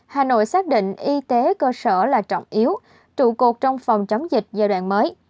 hà nội xác định y tế cơ sở là trọng yếu trụ cột trong phòng chống dịch giai đoạn mới